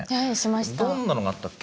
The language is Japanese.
どんなのがあったっけ？